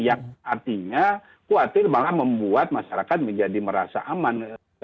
yang artinya khawatir malah membuat masyarakat menjadi merasa aman